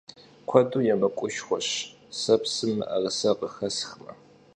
Kuedu yêmık'uşşxueş, se psım mı'erıse khıxesxme.